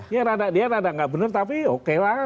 ya rada dia rada nggak bener tapi oke lah